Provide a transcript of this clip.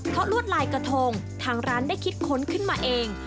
เพราะลวดลายกระทงทางร้านได้คิดค้นขึ้นมาเอง